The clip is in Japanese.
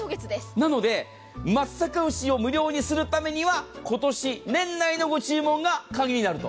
なので松阪牛を無料にするためには今年年内のご注文が鍵になると。